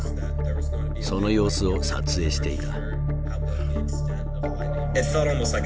その様子を撮影していた。